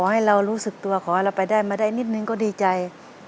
ให้เรารู้สึกตัวขอให้เราไปได้มาได้นิดนึงก็ดีใจ